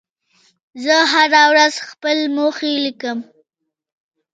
زه هره ورځ خپل موخې لیکم.